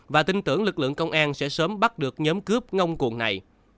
và tin tưởng lực lượng công an sẽ sớm bắt được nhóm cướp ngông cuồn này